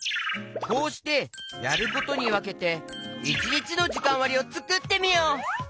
こうしてやることにわけて１にちのじかんわりをつくってみよう！